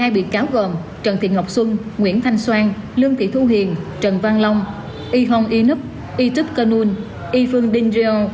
một mươi hai bị cáo gồm trần thị ngọc xuân nguyễn thanh soan lương thị thu hiền trần văn long y hong y nup y tup canun y phương đinh rêu